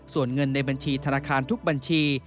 ส่วนเงินในบัญชีธนาคารทุกบัญชี